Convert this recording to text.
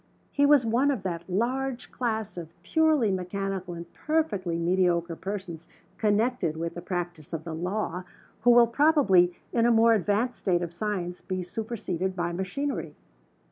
He was one of that large class of purely mechanical and perfectly mediocre persons connected with the practice of the law who will probably, in a more advanced state of science, be superseded by machinery.